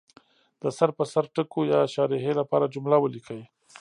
د سر په سر ټکو یا شارحې لپاره جمله ولیکي.